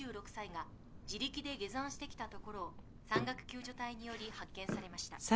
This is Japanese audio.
２６歳が自力で下山してきたところを山岳救助隊により発見されました。